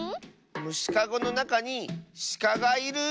むしかごのなかにしかがいる。